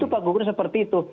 pak gubernur seperti itu